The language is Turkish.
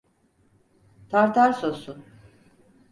Tartar sosu…